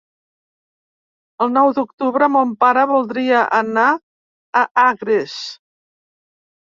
El nou d'octubre mon pare voldria anar a Agres.